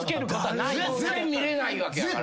絶対見れないわけやからな。